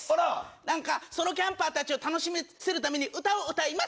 なんか、ソロキャンパーたちを楽しませるために歌を歌います。